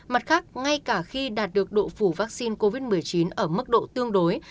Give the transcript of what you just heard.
mặt khác ngay cả khi đạt được độ phủ vaccine covid một mươi chín ở mức độ tương đối